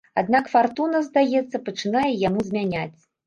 Аднак фартуна, здаецца, пачынае яму змяняць.